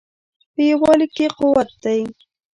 په یووالي کې قوت دی